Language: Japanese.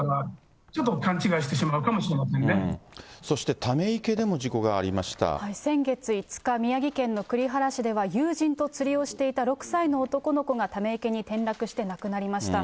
ちょっと勘違いしてしまうかもしそしてため池でも事故があり先月５日、宮城県の栗原市では、友人と釣りをしていた６歳の男の子がため池に転落して亡くなりました。